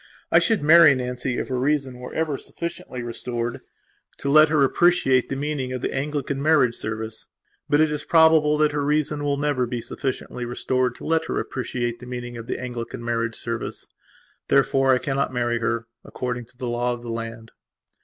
I should marry Nancy if her reason were ever sufficiently restored to let her appreciate the meaning of the Anglican marriage service. But it is probable that her reason will never be sufficiently restored to let her appreciate the meaning of the Anglican marriage service. Therefore I cannot marry her, according to the law of the land.